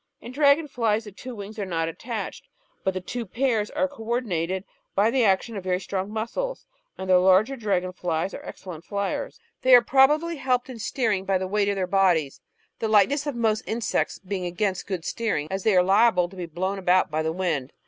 In dragon flies the two wings are not attached, but the two pairs are co ordinated by the action of very strong muscles, and the larger dragon flies are excellent fliers. They are prob Natural Htotoiy 511 ably helped in steering by the weight of their bodies, the light ness of most insects being against good steering as they are liable to be blown about by the wind.